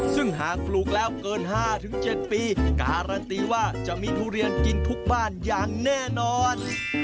ซึ่งหากปลูกแล้วเกิน๕๗ปีการันตีว่าจะมีทุเรียนกินทุกบ้านอย่างแน่นอน